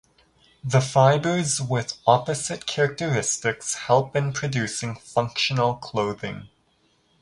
The fibers with opposite characteristics help in producing functional clothing.